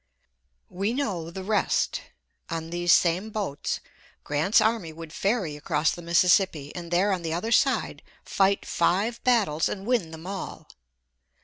We know the rest. On these same boats Grant's army would ferry across the Mississippi, and there on the other side fight five battles and win them all.